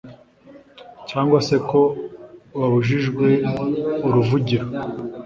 cyangwa se ko babujijwe uruvugiro